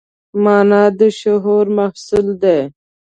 مانا د شعور محصول دی.